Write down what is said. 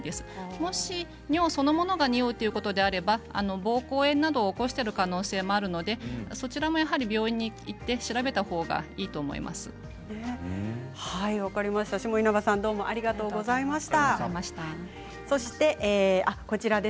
もし尿そのものがにおうということであれば、ぼうこう炎などを起こしている可能性もあるのでそちらも病院に行って分かりました下稲葉さんどうもありがとうございました。